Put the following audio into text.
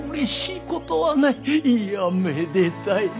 いやめでたい！